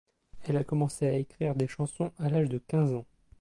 Elle a commencé à écrire des chansons à l'âge de quinze ans.